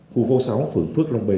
khu phố sáu phượng phước long bê